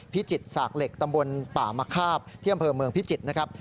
พิจิตรสากเหล็กตำบลป่ามะคาบที่อำเภอเมืองพิจิตรนะครับ